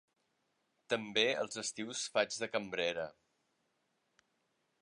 També, els estius faig de cambrera.